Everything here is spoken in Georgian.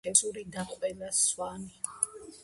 ყველა ხევსური და ყველა სვანი